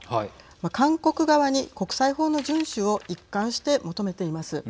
韓国側に国際法の順守を一貫して求めています。